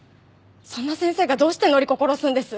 そんな先生がどうして範子を殺すんです？